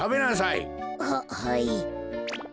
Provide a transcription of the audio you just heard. ははい。